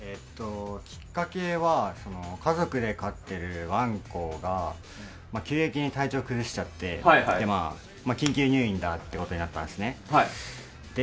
きっかけは家族で飼ってるわんこが急激に体調を崩しちゃって緊急入院だってことになったんですね。